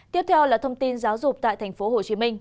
tiếp theo là thông tin giáo dục tại tp hcm